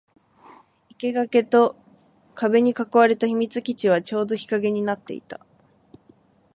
生垣と壁に囲われた秘密基地はちょうど日陰になっていた